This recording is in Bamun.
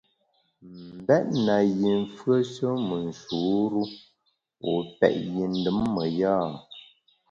M’bèt na yi mfùeshe me nshur-u, wu pèt yi ndùm me ya ?